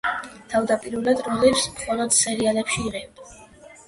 თავდაპირველად როლებს მხოლოდ სერიალებში იღებდა.